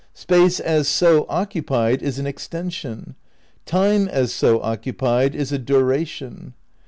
Space as so occupied is an extension. Time as so occupied is a duration."